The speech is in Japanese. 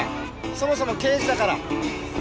そもそも刑事だから。